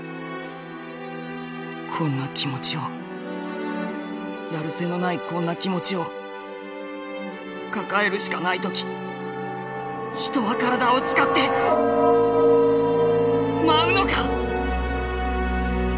「こんな気持ちをやる瀬のないこんな気持ちを抱えるしかない時人は身体を使って舞うのか」。